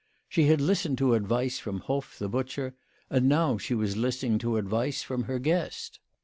She had listened to advice from Hoff the butcher, and now she was listening to advice from her guest.